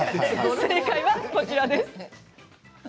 正解はこちらです。